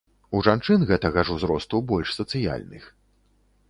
У жанчын гэтага ж узросту больш сацыяльных.